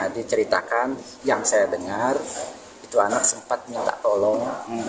diceritakan yang saya dengar itu anak sempat minta tolong